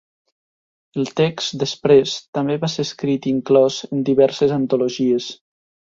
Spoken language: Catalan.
El text, després, també va ser transcrit i inclòs en diverses antologies.